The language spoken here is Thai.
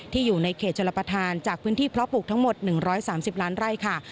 อยู่ในเขตชลประธานจากพื้นที่เพาะปลูกทั้งหมด๑๓๐ล้านไร่ค่ะ